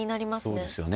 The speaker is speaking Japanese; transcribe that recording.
そうですよね。